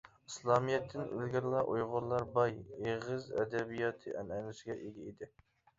ئىسلامىيەتتىن ئىلگىرىلا ئۇيغۇرلار باي ئېغىز ئەدەبىياتى ئەنئەنىسىگە ئىگە ئىدى.